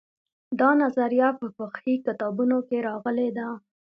دا نظریه په فقهي کتابونو کې راغلې ده.